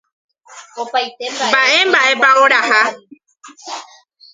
Mba'emba'épa oraha.